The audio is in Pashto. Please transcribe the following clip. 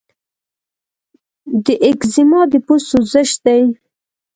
د ایکزیما د پوست سوزش دی.